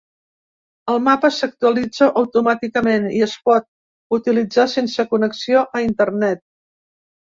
El mapa s’actualitza automàticament i es pot utilitzar sense connexió a internet.